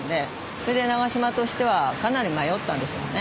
それで永島としてはかなり迷ったんでしょうね。